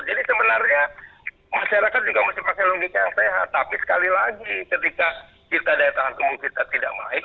jadi sebenarnya masyarakat juga masih pakai logik yang sehat tapi sekali lagi ketika kita daya tahan tubuh kita tidak baik